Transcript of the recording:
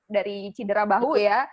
dari cidera bahu ya